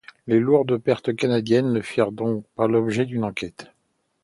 Les lourdes pertes canadiennes ne firent donc pas l'objet d'une enquête.